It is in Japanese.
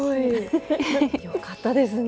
よかったですね。